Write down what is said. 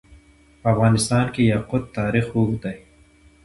په افغانستان کې د یاقوت تاریخ اوږد دی.